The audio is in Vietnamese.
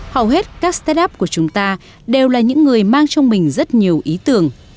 hầu hết các start up của chúng ta đều là những người mang trong mình rất nhiều ý tưởng